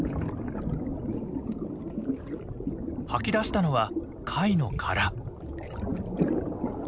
吐き出したのは貝の殻。